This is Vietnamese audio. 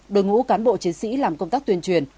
đội ngũ cán bộ chiến sĩ làm công tác tuyên truyền